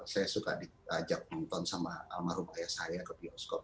saya suka diajak nonton sama almarhum ayah saya ke bioskop